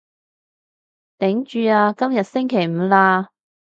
頂住啊，今日星期五喇